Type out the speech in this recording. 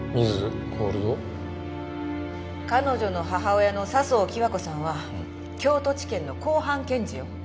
彼女の母親の佐相貴和子さんは京都地検の公判検事よ。